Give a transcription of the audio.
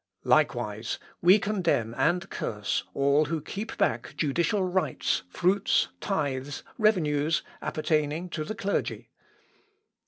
_ "Likewise we condemn and curse all who keep back judicial rights, fruits, tithes, revenues, appertaining to the clergy."